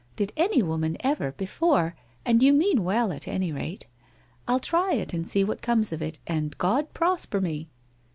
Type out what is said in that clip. Did any woman ever, before? — And you mean well at any rate. I'll try it, and see what comes of it, and God prosper me